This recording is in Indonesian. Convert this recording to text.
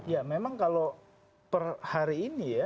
ya memang kalau per hari ini ya